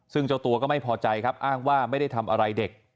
ซึ่งเจ้าตัวก็ไม่พอใจครับอ้างว่าไม่ได้ทำอะไรเด็ก